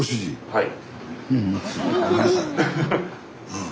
はい。